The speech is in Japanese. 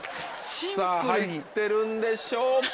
さぁ入ってるんでしょうか。